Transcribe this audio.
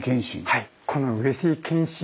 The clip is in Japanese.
はい。